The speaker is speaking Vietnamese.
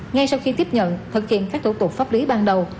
ngay sau khi tiếp nhận thực hiện các thủ tục pháp lý ban đầu